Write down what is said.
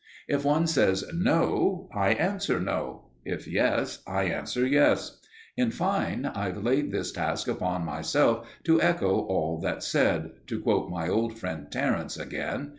If one says "No," I answer "No"; If "Yes," I answer "Yes." In fine, I've laid this task upon myself To echo all that's said to quote my old friend Terence again.